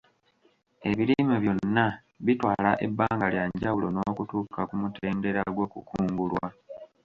Ebirime byonna bitwala ebbanga lya njawulo okutuuka ku mutendera gw'okukungulwa.